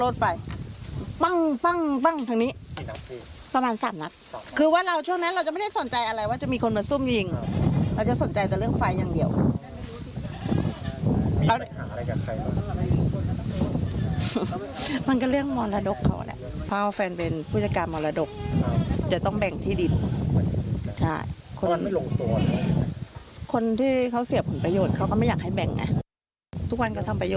ที่เขาเสียผลประโยชน์เขาก็ไม่อยากให้แบ่งไงทุกวันก็ทำประโยชน์อยู่อย่างเงี้ย